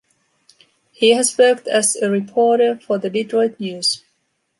He has worked as a reporter for the "Detroit News".